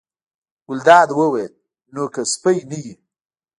ګلداد وویل: نو که سپی نه وي.